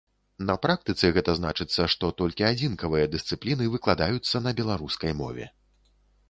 На практыцы гэта значыцца, што толькі адзінкавыя дысцыпліны выкладаюцца на беларускай мове.